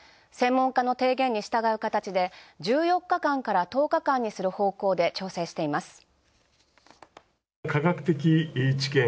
専門家の提言に従うかたちで１４日間から１０日間にする方向で調整しています。